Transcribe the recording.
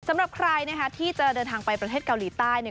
สำหรับใครที่จะเดินทางไปประเทศเกาหลีใต้